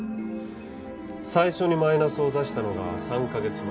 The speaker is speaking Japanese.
最初にマイナスを出したのが３カ月前。